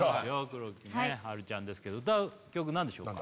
黒木華ちゃんですけど歌う曲何でしょうか？